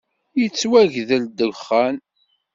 Yettwagdel ddexxan!